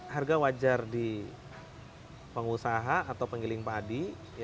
harga wajar di pengusaha atau penggiling padi